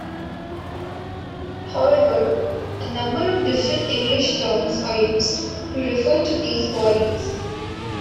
However, a number of different English terms are used to refer to these bodies.